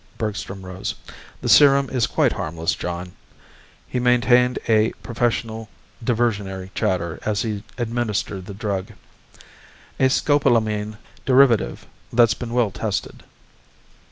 Bergstrom rose. "The serum is quite harmless, John." He maintained a professional diversionary chatter as he administered the drug. "A scopolamine derivative that's been well tested."